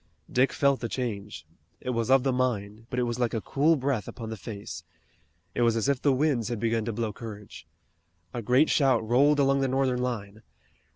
Dick felt the change. It was of the mind, but it was like a cool breath upon the face. It was as if the winds had begun to blow courage. A great shout rolled along the Northern line.